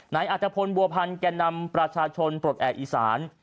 นายอัตภพลบัวพันธ์แก่นำประชาชนปลดแอบอีสาน